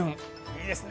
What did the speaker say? いいですね。